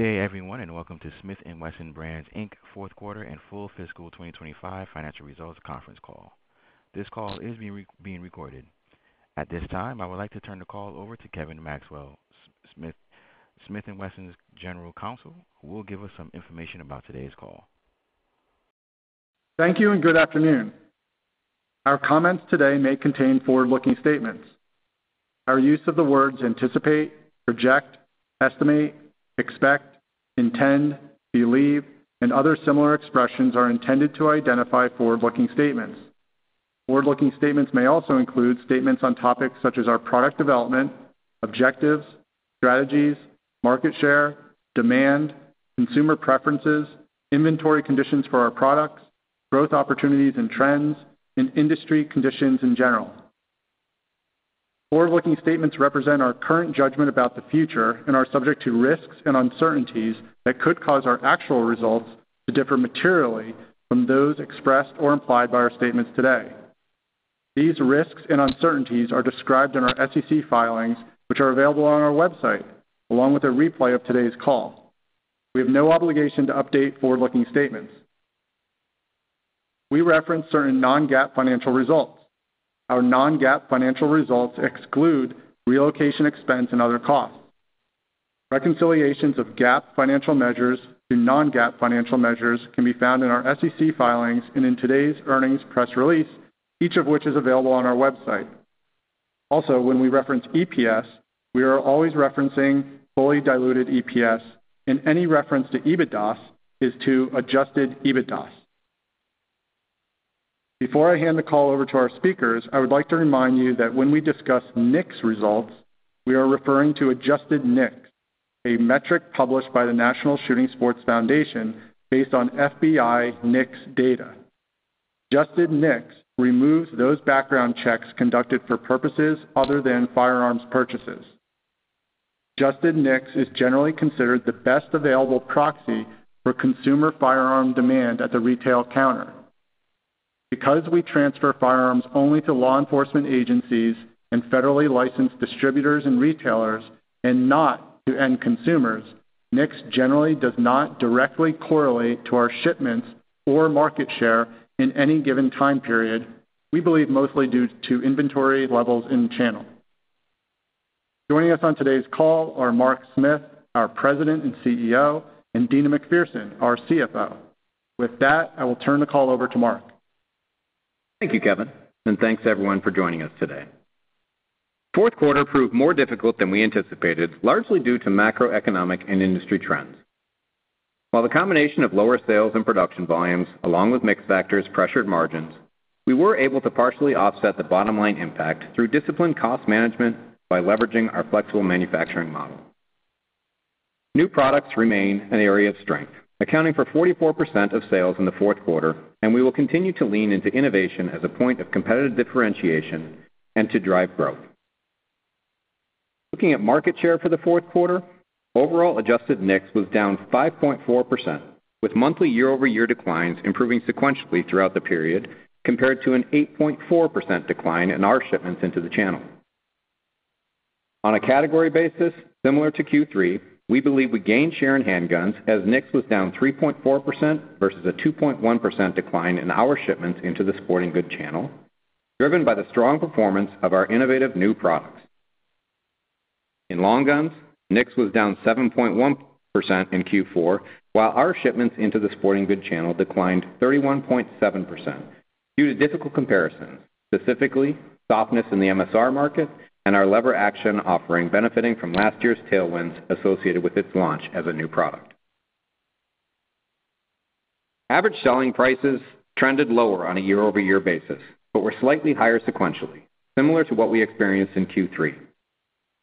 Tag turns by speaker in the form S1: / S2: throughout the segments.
S1: Good day, everyone, and welcome to Smith & Wesson Brands Inc, Fourth Quarter and Full Fiscal 2025 Financial Results Conference Call. This call is being recorded. At this time, I would like to turn the call over to Kevin Maxwell, Smith & Wesson's General Counsel, who will give us some information about today's call.
S2: Thank you and good afternoon. Our comments today may contain forward-looking statements. Our use of the words anticipate, project, estimate, expect, intend, believe, and other similar expressions is intended to identify forward-looking statements. Forward-looking statements may also include statements on topics such as our product development, objectives, strategies, market share, demand, consumer preferences, inventory conditions for our products, growth opportunities and trends, and industry conditions in general. Forward-looking statements represent our current judgment about the future and are subject to risks and uncertainties that could cause our actual results to differ materially from those expressed or implied by our statements today. These risks and uncertainties are described in our SEC filings, which are available on our website, along with a replay of today's call. We have no obligation to update forward-looking statements. We reference certain non-GAAP financial results. Our non-GAAP financial results exclude relocation expense and other costs. Reconciliations of GAAP financial measures to non-GAAP financial measures can be found in our SEC filings and in today's earnings press release, each of which is available on our website. Also, when we reference EPS, we are always referencing fully diluted EPS, and any reference to EBITDAs is to adjusted EBITDAs. Before I hand the call over to our speakers, I would like to remind you that when we discuss NICS results, we are referring to adjusted NICS, a metric published by the National Shooting Sports Foundation based on FBI NICS data. Adjusted NICS removes those background checks conducted for purposes other than firearms purchases. Adjusted NICS is generally considered the best available proxy for consumer firearm demand at the retail counter. Because we transfer firearms only to law enforcement agencies and federally licensed distributors and retailers, and not to end consumers, NICS generally does not directly correlate to our shipments or market share in any given time period. We believe mostly due to inventory levels in the channel. Joining us on today's call are Mark Smith, our President and CEO, and Deana McPherson, our CFO. With that, I will turn the call over to Mark.
S3: Thank you, Kevin, and thanks everyone for joining us today. Fourth quarter proved more difficult than we anticipated, largely due to macroeconomic and industry trends. While the combination of lower sales and production volumes, along with mixed factors, pressured margins, we were able to partially offset the bottom-line impact through disciplined cost management by leveraging our flexible manufacturing model. New products remain an area of strength, accounting for 44% of sales in the fourth quarter, and we will continue to lean into innovation as a point of competitive differentiation and to drive growth. Looking at market share for the fourth quarter, overall adjusted NICS was down 5.4%, with monthly year-over-year declines improving sequentially throughout the period compared to an 8.4% decline in our shipments into the channel. On a category basis, similar to Q3, we believe we gained share in handguns as NICS was down 3.4% versus a 2.1% decline in our shipments into the sporting goods channel, driven by the strong performance of our innovative new products. In long guns, NICS was down 7.1% in Q4, while our shipments into the sporting goods channel declined 31.7% due to difficult comparisons, specifically softness in the MSR market and our lever action offering benefiting from last year's tailwinds associated with its launch as a new product. Average selling prices trended lower on a year-over-year basis, but were slightly higher sequentially, similar to what we experienced in Q3.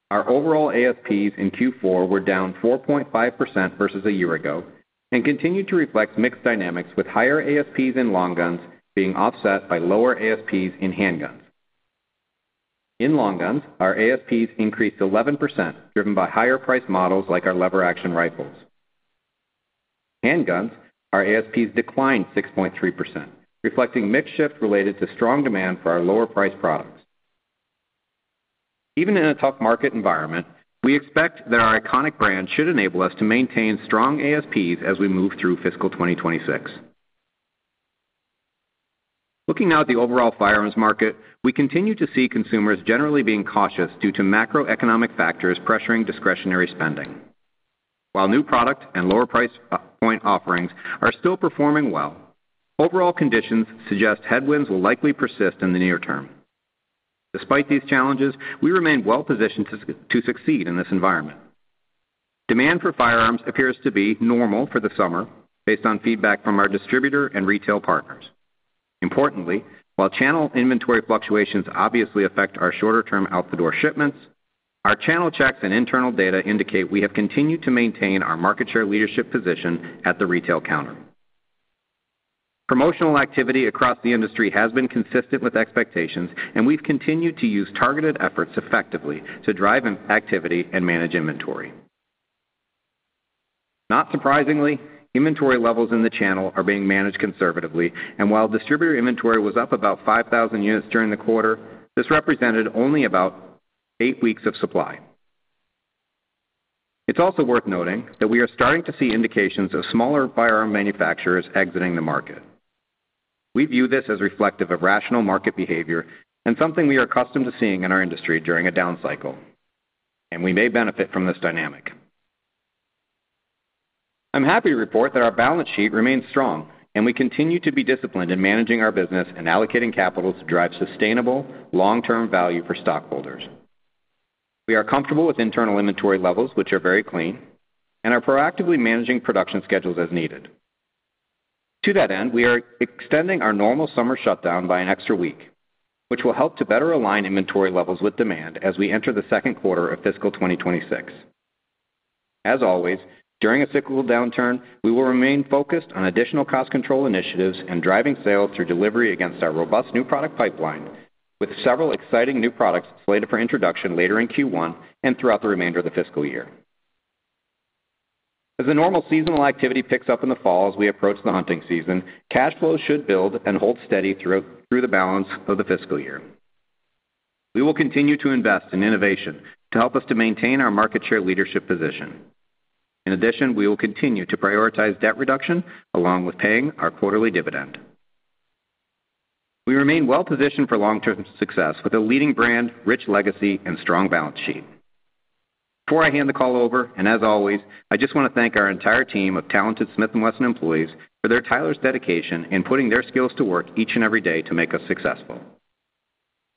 S3: Our overall ASPs in Q4 were down 4.5% versus a year ago and continue to reflect mixed dynamics, with higher ASPs in long guns being offset by lower ASPs in handguns. In long guns, our ASPs increased 11%, driven by higher price models like our lever action rifles. Handguns, our ASPs declined 6.3%, reflecting mixed shifts related to strong demand for our lower-priced products. Even in a tough market environment, we expect that our iconic brand should enable us to maintain strong ASPs as we move through fiscal 2026. Looking now at the overall firearms market, we continue to see consumers generally being cautious due to macroeconomic factors pressuring discretionary spending. While new product and lower price point offerings are still performing well, overall conditions suggest headwinds will likely persist in the near term. Despite these challenges, we remain well-positioned to succeed in this environment. Demand for firearms appears to be normal for the summer based on feedback from our distributor and retail partners. Importantly, while channel inventory fluctuations obviously affect our shorter-term out-the-door shipments, our channel checks and internal data indicate we have continued to maintain our market share leadership position at the retail counter. Promotional activity across the industry has been consistent with expectations, and we've continued to use targeted efforts effectively to drive activity and manage inventory. Not surprisingly, inventory levels in the channel are being managed conservatively, and while distributor inventory was up about 5,000 units during the quarter, this represented only about eight weeks of supply. It's also worth noting that we are starting to see indications of smaller firearm manufacturers exiting the market. We view this as reflective of rational market behavior and something we are accustomed to seeing in our industry during a down cycle, and we may benefit from this dynamic. I'm happy to report that our balance sheet remains strong, and we continue to be disciplined in managing our business and allocating capital to drive sustainable long-term value for stockholders. We are comfortable with internal inventory levels, which are very clean, and are proactively managing production schedules as needed. To that end, we are extending our normal summer shutdown by an extra week, which will help to better align inventory levels with demand as we enter the second quarter of fiscal 2026. As always, during a cyclical downturn, we will remain focused on additional cost control initiatives and driving sales through delivery against our robust new product pipeline, with several exciting new products slated for introduction later in Q1 and throughout the remainder of the fiscal year. As the normal seasonal activity picks up in the fall as we approach the hunting season, cash flows should build and hold steady throughout the balance of the fiscal year. We will continue to invest in innovation to help us to maintain our market share leadership position. In addition, we will continue to prioritize debt reduction along with paying our quarterly dividend. We remain well-positioned for long-term success with a leading brand, rich legacy, and strong balance sheet. Before I hand the call over, and as always, I just want to thank our entire team of talented Smith & Wesson employees for their tireless dedication in putting their skills to work each and every day to make us successful. With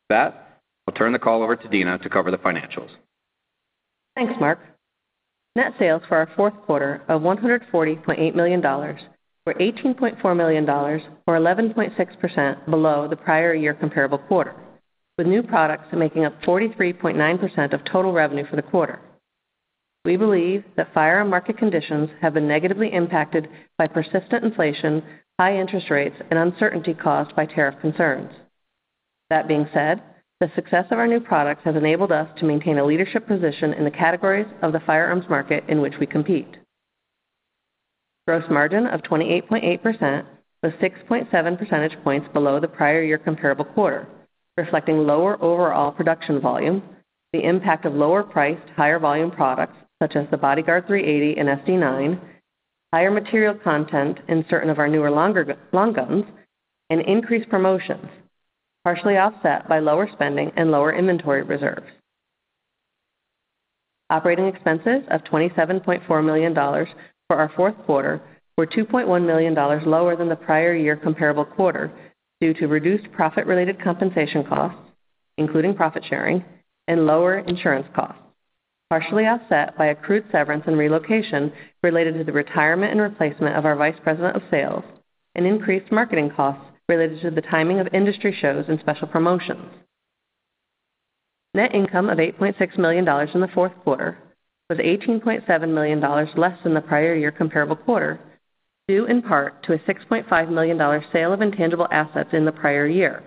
S3: that, I'll turn the call over to Deana to cover the financials.
S4: Thanks, Mark. Net sales for our fourth quarter of $140.8 million were $18.4 million, or 11.6% below the prior year comparable quarter, with new products making up 43.9% of total revenue for the quarter. We believe that firearm market conditions have been negatively impacted by persistent inflation, high interest rates, and uncertainty caused by tariff concerns. That being said, the success of our new products has enabled us to maintain a leadership position in the categories of the firearms market in which we compete. Gross margin of 28.8% was 6.7 percentage points below the prior year comparable quarter, reflecting lower overall production volume, the impact of lower-priced, higher-volume products such as the Bodyguard 380 and SD9, higher material content in certain of our newer long guns, and increased promotions, partially offset by lower spending and lower inventory reserves. Operating expenses of $27.4 million for our fourth quarter were $2.1 million lower than the prior year comparable quarter due to reduced profit-related compensation costs, including profit sharing, and lower insurance costs, partially offset by accrued severance and relocation related to the retirement and replacement of our Vice President of Sales and increased marketing costs related to the timing of industry shows and special promotions. Net income of $8.6 million in the fourth quarter was $18.7 million less than the prior year comparable quarter, due in part to a $6.5 million sale of intangible assets in the prior year.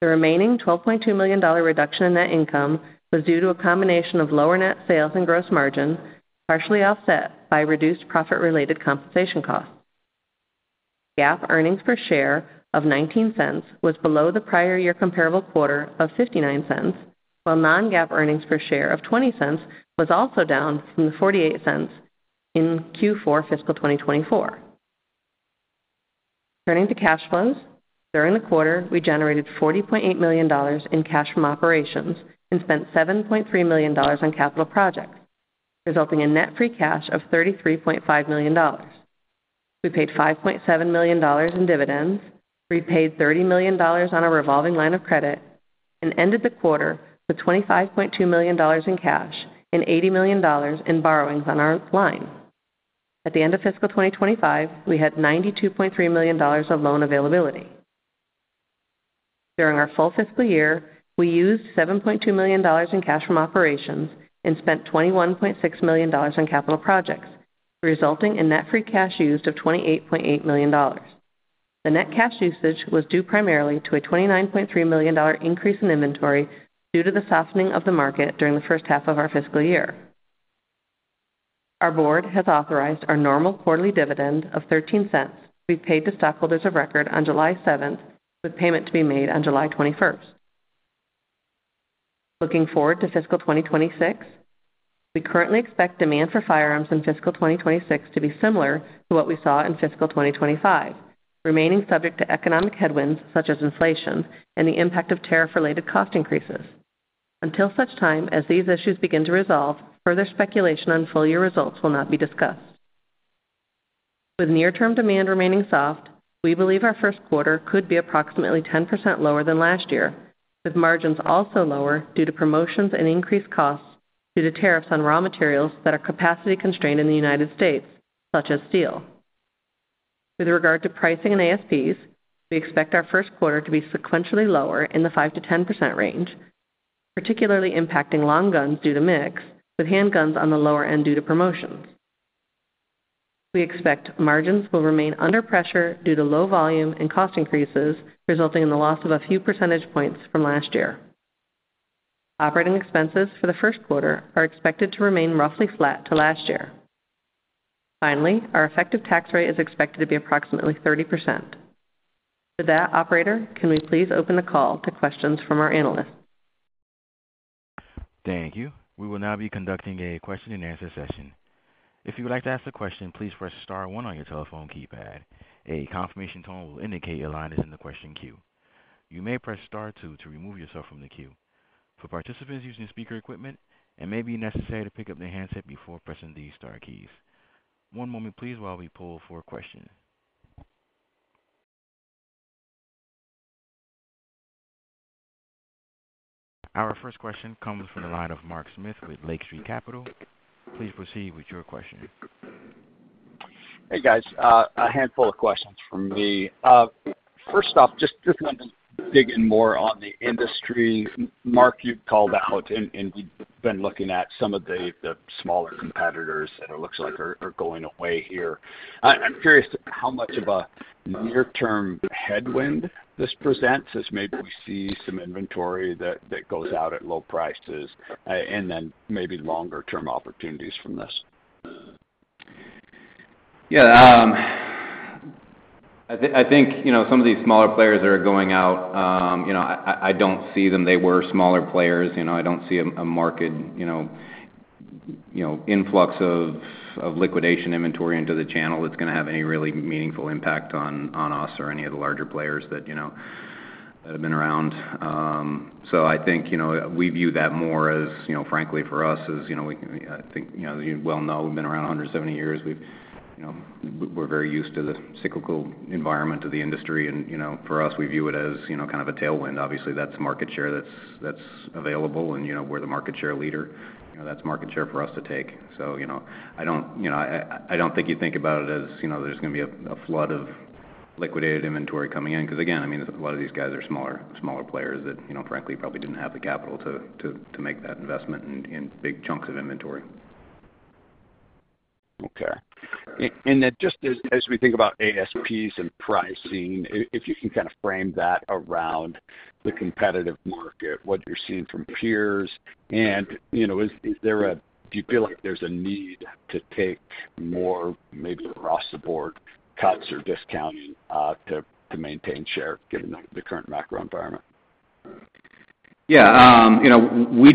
S4: The remaining $12.2 million reduction in net income was due to a combination of lower net sales and gross margin, partially offset by reduced profit-related compensation costs. GAAP earnings per share of $0.19 was below the prior year comparable quarter of $0.59, while non-GAAP earnings per share of $0.20 was also down from the $0.48 in Q4 fiscal 2024. Turning to cash flows, during the quarter, we generated $40.8 million in cash from operations and spent $7.3 million on capital projects, resulting in net free cash of $33.5 million. We paid $5.7 million in dividends, repaid $30 million on a revolving line of credit, and ended the quarter with $25.2 million in cash and $80 million in borrowings on our line. At the end of fiscal 2025, we had $92.3 million of loan availability. During our full fiscal year, we used $7.2 million in cash from operations and spent $21.6 million on capital projects, resulting in net free cash used of $28.8 million. The net cash usage was due primarily to a $29.3 million increase in inventory due to the softening of the market during the first half of our fiscal year. Our board has authorized our normal quarterly dividend of $0.13, we've paid to stockholders of record on July 7th, with payment to be made on July 21st. Looking forward to fiscal 2026, we currently expect demand for firearms in fiscal 2026 to be similar to what we saw in fiscal 2025, remaining subject to economic headwinds such as inflation and the impact of tariff-related cost increases. Until such time as these issues begin to resolve, further speculation on full-year results will not be discussed. With near-term demand remaining soft, we believe our first quarter could be approximately 10% lower than last year, with margins also lower due to promotions and increased costs due to tariffs on raw materials that are capacity-constrained in the United States, such as steel. With regard to pricing and ASPs, we expect our first quarter to be sequentially lower in the 5%-10% range, particularly impacting long guns due to mix, with handguns on the lower end due to promotions. We expect margins will remain under pressure due to low volume and cost increases, resulting in the loss of a few percentage points from last year. Operating expenses for the first quarter are expected to remain roughly flat to last year. Finally, our effective tax rate is expected to be approximately 30%. With that, operator, can we please open the call to questions from our analysts?
S1: Thank you. We will now be conducting a question-and-answer session. If you would like to ask a question, please press Star one on your telephone keypad. A confirmation tone will indicate your line is in the question queue. You may press Star two to remove yourself from the queue. For participants using speaker equipment, it may be necessary to pick up their handset before pressing these star keys. One moment, please, while we pull for a question. Our first question comes from the line of Mark Smith with Lake Street Capital Markets. Please proceed with your question.
S5: Hey, guys. A handful of questions for me. First off, just wanted to dig in more on the industry. Mark, you've called out, and we've been looking at some of the smaller competitors that it looks like are going away here. I'm curious how much of a near-term headwind this presents as maybe we see some inventory that goes out at low prices and then maybe longer-term opportunities from this.
S3: Yeah. I think some of these smaller players that are going out, I don't see them. They were smaller players. I don't see a marked influx of liquidation inventory into the channel that's going to have any really meaningful impact on us or any of the larger players that have been around. I think we view that more as, frankly, for us, as I think you well know, we've been around 170 years. We're very used to the cyclical environment of the industry. For us, we view it as kind of a tailwind. Obviously, that's market share that's available, and we're the market share leader. That's market share for us to take. I don't think you think about it as there's going to be a flood of liquidated inventory coming in because, again, a lot of these guys are smaller players that, frankly, probably didn't have the capital to make that investment in big chunks of inventory.
S5: Okay. Just as we think about ASPs and pricing, if you can kind of frame that around the competitive market, what you're seeing from peers, and do you feel like there's a need to take more maybe across the board cuts or discounting to maintain share given the current macro environment?
S3: Yeah. We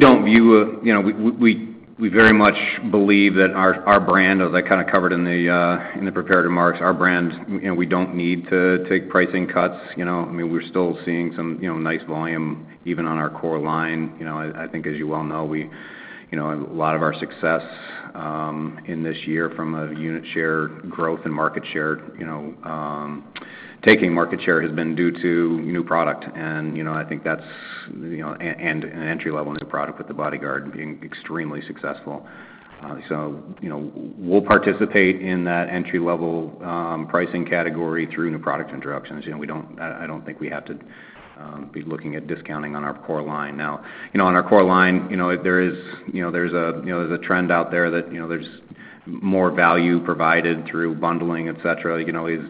S3: very much believe that our brand, as I kind of covered in the preparatory marks, our brand, we do not need to take pricing cuts. I mean, we are still seeing some nice volume even on our core line. I think, as you well know, a lot of our success in this year from a unit share growth and market share, taking market share, has been due to new product. I think that is an entry-level new product with the Bodyguard being extremely successful. We will participate in that entry-level pricing category through new product introductions. I do not think we have to be looking at discounting on our core line. Now, on our core line, there's a trend out there that there's more value provided through bundling, etc.,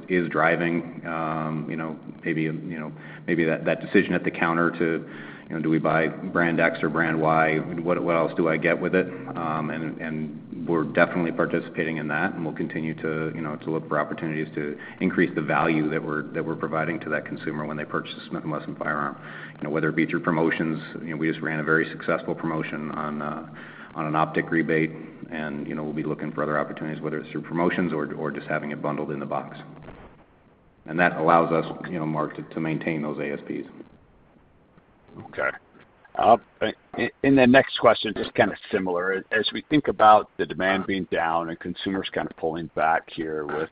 S3: is driving maybe that decision at the counter to do we buy brand X or brand Y, what else do I get with it. We're definitely participating in that, and we'll continue to look for opportunities to increase the value that we're providing to that consumer when they purchase a Smith & Wesson firearm, whether it be through promotions. We just ran a very successful promotion on an optic rebate, and we'll be looking for other opportunities, whether it's through promotions or just having it bundled in the box. That allows us, Mark, to maintain those ASPs.
S5: Okay. In the next question, just kind of similar, as we think about the demand being down and consumers kind of pulling back here with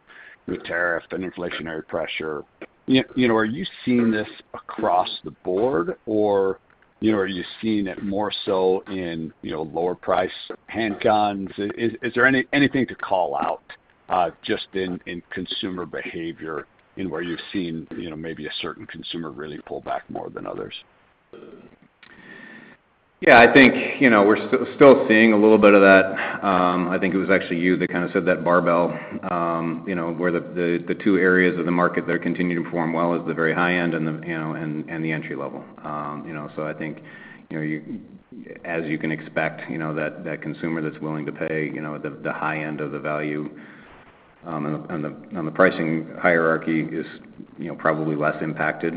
S5: tariff and inflationary pressure, are you seeing this across the board, or are you seeing it more so in lower-priced handguns? Is there anything to call out just in consumer behavior in where you've seen maybe a certain consumer really pull back more than others?
S3: Yeah. I think we're still seeing a little bit of that. I think it was actually you that kind of said that barbell, where the two areas of the market that are continuing to perform well are the very high end and the entry level. I think, as you can expect, that consumer that's willing to pay the high end of the value on the pricing hierarchy is probably less impacted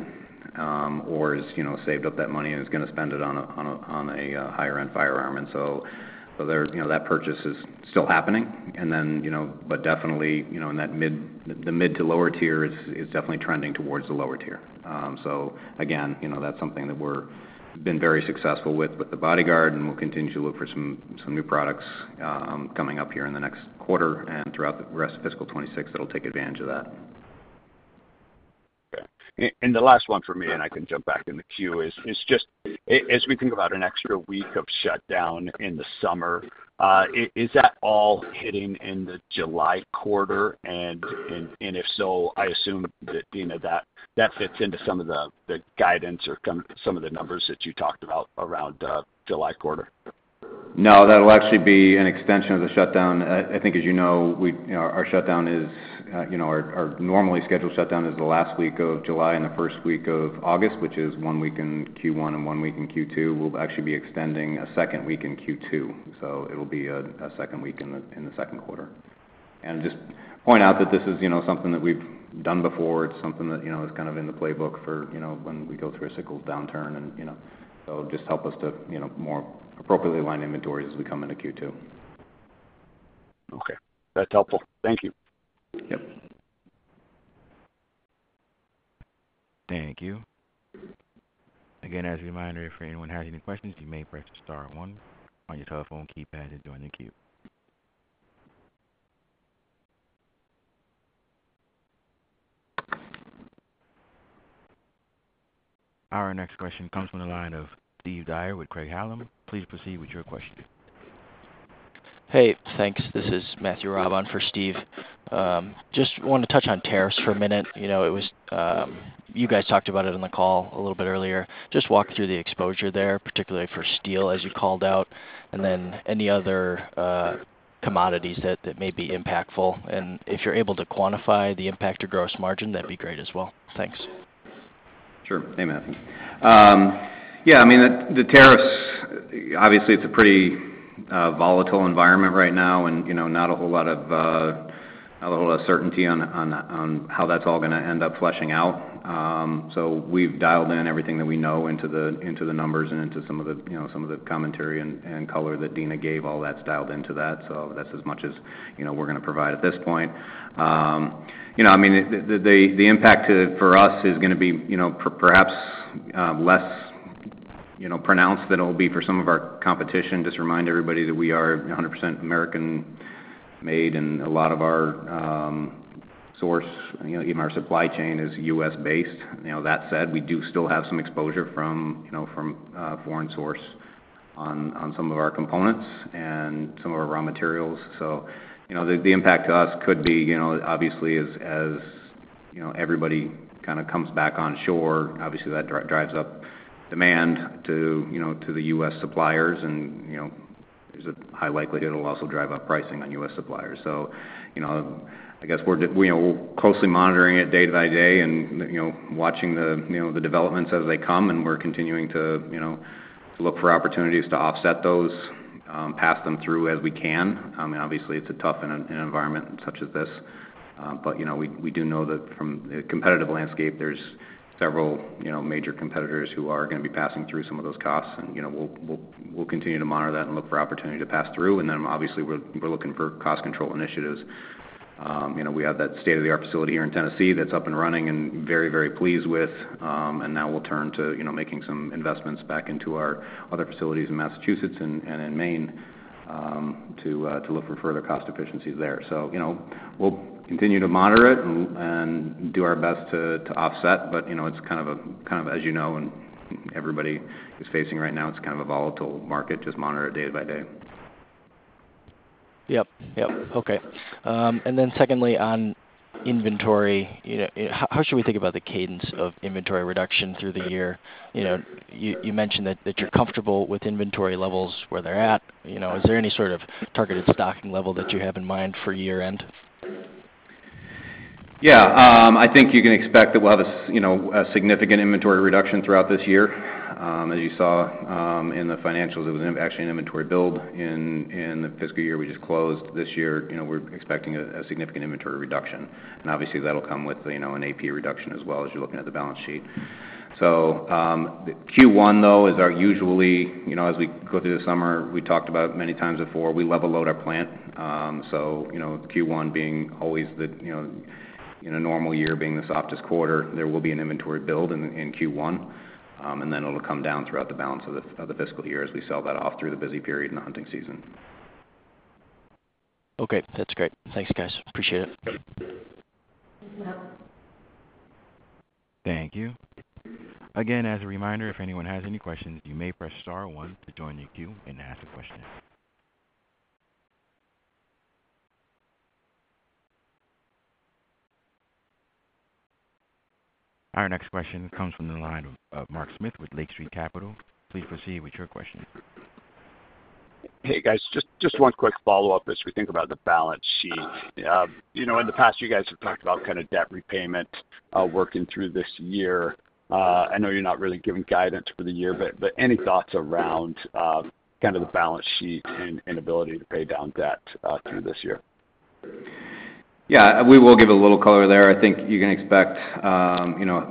S3: or has saved up that money and is going to spend it on a higher-end firearm. That purchase is still happening, but definitely in the mid to lower tier, it's definitely trending towards the lower tier. Again, that's something that we've been very successful with the Bodyguard, and we'll continue to look for some new products coming up here in the next quarter and throughout the rest of fiscal 2026 that'll take advantage of that.
S5: Okay. The last one for me, and I can jump back in the queue, is just as we think about an extra week of shutdown in the summer, is that all hitting in the July quarter? If so, I assume that that fits into some of the guidance or some of the numbers that you talked about around July quarter.
S3: No, that'll actually be an extension of the shutdown. I think, as you know, our shutdown is our normally scheduled shutdown is the last week of July and the first week of August, which is one week in Q1 and one week in Q2. We'll actually be extending a second week in Q2. It will be a second week in the second quarter. I just point out that this is something that we've done before. It is something that is kind of in the playbook for when we go through a cyclical downturn. It just helps us to more appropriately align inventories as we come into Q2.
S5: Okay. That's helpful. Thank you.
S3: Yep.
S1: Thank you. Again, as a reminder, if anyone has any questions, you may press Star one on your telephone keypad and join the queue. Our next question comes from the line of Steve Dyer with Craig-Hallum. Please proceed with your question.
S6: Hey, thanks. This is Matthew Raab for Steve. Just wanted to touch on tariffs for a minute. You guys talked about it on the call a little bit earlier. Just walk through the exposure there, particularly for steel, as you called out, and then any other commodities that may be impactful. If you're able to quantify the impact to gross margin, that'd be great as well. Thanks.
S3: Sure. Hey, Matthew. Yeah. I mean, the tariffs, obviously, it's a pretty volatile environment right now and not a whole lot of certainty on how that's all going to end up fleshing out. We have dialed in everything that we know into the numbers and into some of the commentary and color that Deana gave. All that's dialed into that. That's as much as we're going to provide at this point. I mean, the impact for us is going to be perhaps less pronounced than it will be for some of our competition. Just remind everybody that we are 100% American-made, and a lot of our source, even our supply chain, is U.S.based. That said, we do still have some exposure from foreign source on some of our components and some of our raw materials. The impact to us could be, obviously, as everybody kind of comes back on shore, obviously, that drives up demand to the U.S. suppliers, and there's a high likelihood it'll also drive up pricing on U.S. suppliers. I guess we're closely monitoring it day by day and watching the developments as they come, and we're continuing to look for opportunities to offset those, pass them through as we can. I mean, obviously, it's a tough environment in such as this, but we do know that from the competitive landscape, there are several major competitors who are going to be passing through some of those costs. We'll continue to monitor that and look for opportunity to pass through. Obviously, we're looking for cost control initiatives. We have that state-of-the-art facility here in Tennessee that's up and running and very, very pleased with. We will turn to making some investments back into our other facilities in Massachusetts and in Maine to look for further cost efficiencies there. We will continue to monitor it and do our best to offset, but as you know, and everybody is facing right now, it is kind of a volatile market. Just monitor it day by day.
S6: Yep. Yep. Okay. Then secondly, on inventory, how should we think about the cadence of inventory reduction through the year? You mentioned that you're comfortable with inventory levels where they're at. Is there any sort of targeted stocking level that you have in mind for year-end?
S3: Yeah. I think you can expect that we'll have a significant inventory reduction throughout this year. As you saw in the financials, it was actually an inventory build in the fiscal year we just closed. This year, we're expecting a significant inventory reduction. Obviously, that'll come with an AP reduction as well as you're looking at the balance sheet. Q1, though, is our usually as we go through the summer, we talked about many times before, we level load our plant. Q1 being always the in a normal year being the softest quarter, there will be an inventory build in Q1, and then it'll come down throughout the balance of the fiscal year as we sell that off through the busy period in the hunting season.
S6: Okay. That's great. Thanks, guys. Appreciate it.
S1: Thank you. Again, as a reminder, if anyone has any questions, you may press Star one to join the queue and ask a question. Our next question comes from the line of Mark Smith with Lake Street Capital. Please proceed with your question.
S5: Hey, guys. Just one quick follow-up as we think about the balance sheet. In the past, you guys have talked about kind of debt repayment working through this year. I know you're not really giving guidance for the year, but any thoughts around kind of the balance sheet and ability to pay down debt through this year?
S3: Yeah. We will give a little color there. I think you can expect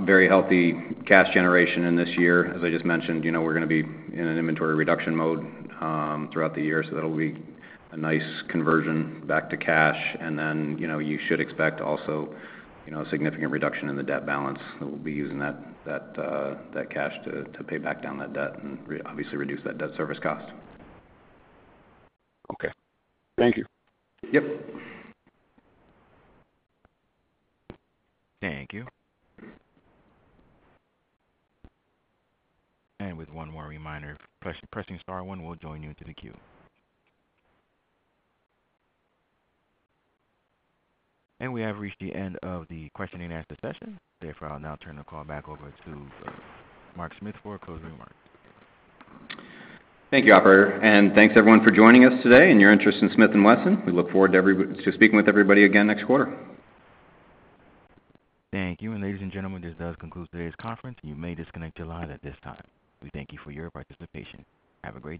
S3: very healthy cash generation in this year. As I just mentioned, we're going to be in an inventory reduction mode throughout the year, so that'll be a nice conversion back to cash. You should expect also a significant reduction in the debt balance. We'll be using that cash to pay back down that debt and obviously reduce that debt service cost.
S5: Okay. Thank you.
S3: Yep.
S1: Thank you. With one more reminder, pressing Star one will join you into the queue. We have reached the end of the question-and-answer session. Therefore, I'll now turn the call back over to Mark Smith for a closing remark.
S3: Thank you, operator. Thank you, everyone, for joining us today and your interest in Smith & Wesson. We look forward to speaking with everybody again next quarter.
S1: Thank you. Ladies and gentlemen, this does conclude today's conference, and you may disconnect your line at this time. We thank you for your participation. Have a great day.